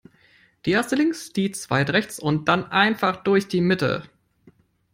Die Erste links, die Zweite rechts und dann einfach durch die Mitte.